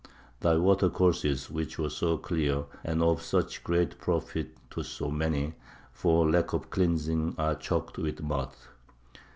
"Thy water courses, which were so clear and of such great profit to so many, for lack of cleansing are choked with mud.